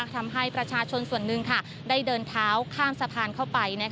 ทำให้ประชาชนส่วนหนึ่งได้เดินเท้าข้ามสะพานเข้าไป